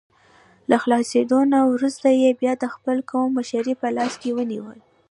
له خلاصېدو نه وروسته یې بیا د خپل قوم مشري په لاس کې ونیوله.